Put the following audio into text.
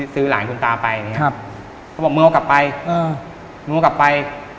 ซื้อหลานคุณตาไปเนี่ยครับเขาบอกมึงเอากลับไปมึงเอากลับไป